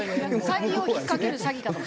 詐欺を引っかける詐欺かと。